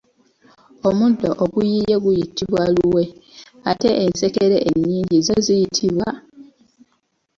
Omuddo oguyiye guyitibwa luwe, ate ensekere ennyingi zo ziyitibwa ?